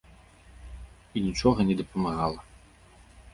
І нічога не дапамагала.